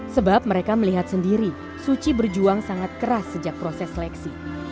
sebab mereka melihat sendiri suci berjuang sangat keras sejak proses seleksi